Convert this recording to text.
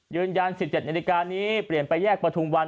ยืนยัน๑๗นาฬิกานี้เปลี่ยนไปแยกประทุมวัน